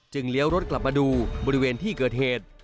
เลี้ยวรถกลับมาดูบริเวณที่เกิดเหตุ